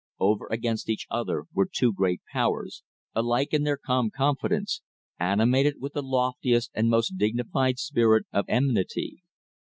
Over against each other were two great powers, alike in their calm confidence, animated with the loftiest and most dignified spirit of enmity.